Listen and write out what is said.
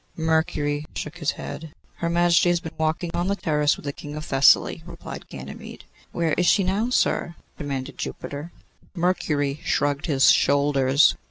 Mercury shook his head. 'Her Majesty has been walking on the terrace with the King of Thessaly,' replied Ganymede. 'Where is she now, sir?' demanded Jupiter. Mercury shrugged his shoulders.